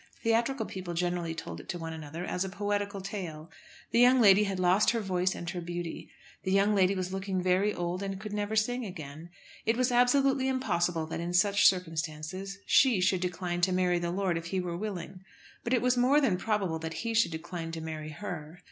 Theatrical people generally told it to one another as a poetical tale. The young lady had lost her voice and her beauty. The young lady was looking very old and could never sing again. It was absolutely impossible that in such circumstances she should decline to marry the lord if he were willing. But it was more than probable that he should decline to marry her.